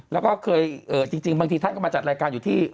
แล้วก็เคยจริงบางทีท่านก็มาจัดรายการอยู่ที่